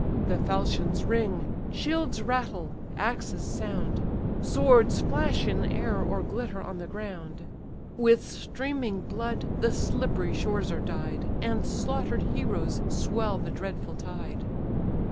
The falchions ring, shields rattle, axes sound, Swords flash in air, or glitter on the ground; With streaming blood the slippery shores are dyed, And slaughter'd heroes swell the dreadful tide.